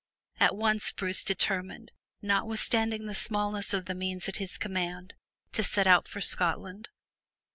At once Bruce determined, not withstanding the smallness of the means at his command, to set out for Scotland.